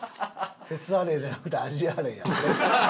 「鉄アレイ」じゃなくて「アジアレイ」やって。